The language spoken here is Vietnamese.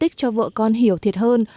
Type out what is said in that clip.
ân tích cho vợ con hiểu thiệt hơn